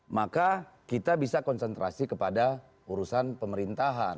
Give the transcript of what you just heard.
maka kita bisa konsentrasi kepada urusan pemerintahan